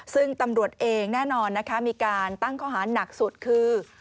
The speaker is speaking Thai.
ซึ่งตำรวจเองแน่นอนนะคะมีการตั้งข้อหาหนักสุดคือ